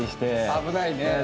危ないね。